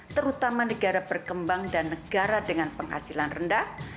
terutama negara berkembang dan negara dengan penghasilan rendah